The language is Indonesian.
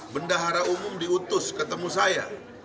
bendahara umum diutus ketemu saya